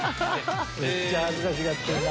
めっちゃ恥ずかしがってんな。